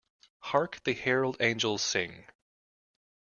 Hark the Herald Angels sing.